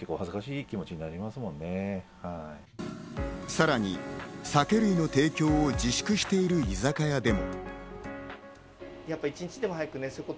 さらに酒類の提供を自粛している居酒屋でも。